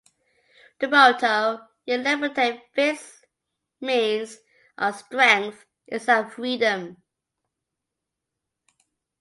The motto, "In Libertate Vis", means "Our Strength is our Freedom".